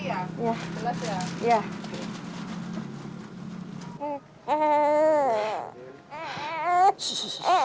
air putih ya